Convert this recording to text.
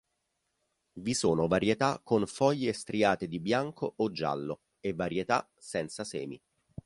Vi sono varietà con foglie striate di bianco o giallo e varietà senza semi.